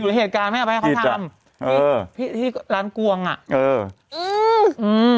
อยู่ในเหตุการณ์ไหมเอาไปให้เขาทำเออที่ที่ร้านกวงอ่ะเอออืม